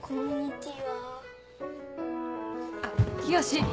あっ清！